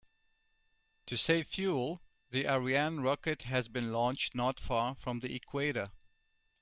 To save fuel, the Ariane rocket has been launched not far from the equator.